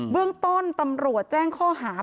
เรื่องต้นตำรวจแจ้งข้อหา